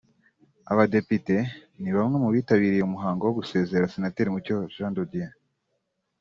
abadepite ni bamwe mu bitabiriye umuhango wo gusezera senateri Mucyo Jean De Dieu